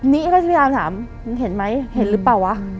นี่ก็ชิคกี้พายถามมึงเห็นไหมเห็นหรือเปล่าวะ